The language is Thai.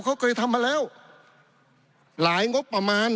ปี๑เกณฑ์ทหารแสน๒